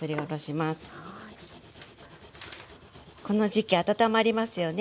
この時期温まりますよね